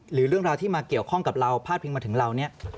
หรือเรื่องราวที่มาเกี่ยวข้องกับเราพาดพิงมาถึงเราเนี่ย